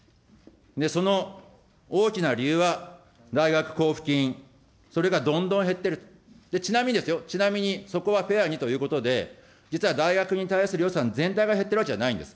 その大きな理由は、大学交付金、それがどんどん減ってる、ちなみにですよ、そこはフェアにということで、実は大学に対する予算全体が減っているわけじゃないんです。